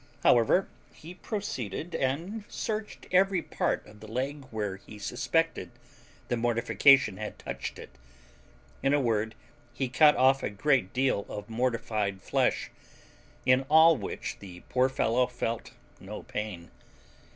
However, he proceeded and searched every part of the leg where he suspected the mortification had touched it; in a word, he cut off a great deal of mortified flesh, in all which the poor fellow felt no pain.